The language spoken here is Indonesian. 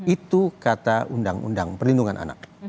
itu kata undang undang perlindungan anak